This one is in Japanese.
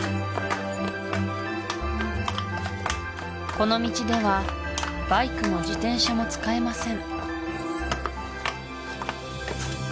この道ではバイクも自転車も使えません